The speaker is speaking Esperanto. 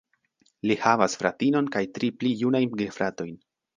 Li havas fratinon kaj tri pli junajn gefratojn.